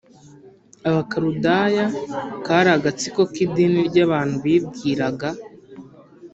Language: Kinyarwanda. Abakaludaya kari agatsiko k idini ry abantu bibwiraga